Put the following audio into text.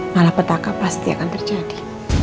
malah petaka pasti akan terjadi